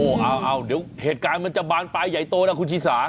โหเอาเดี๋ยวเหตุการณ์จะบานไปใหญ่โตนะคุณชีสา